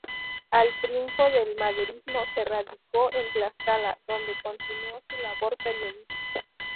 Al triunfo del maderismo, se radicó en Tlaxcala donde continuó su labor periodística.